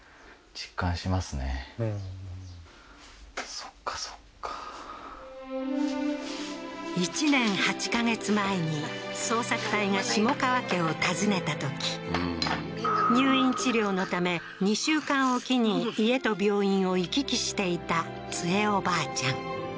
そっかそっか１年８か月前に捜索隊が下川家を訪ねたとき入院治療のため２週間おきに家と病院を行き来していたツヱおばあちゃん